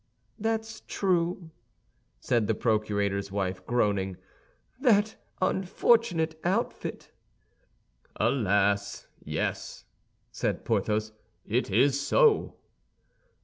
"That's true," said the procurator's wife, groaning, "that unfortunate outfit!" "Alas, yes," said Porthos, "it is so."